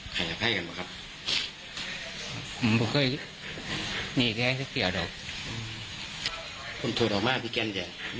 ไปหาการเอาเพื่อนร่วมด้วย